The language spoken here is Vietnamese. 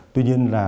tuy nhiên là